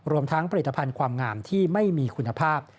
รวมทั้งผลิตภัณฑ์ความงามที่ไม่มีคุณภาพ